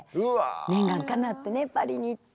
念願かなってねパリに行って。